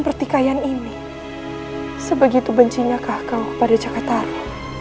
pertikaian ini sebegitu bencinya kau kepada cakataru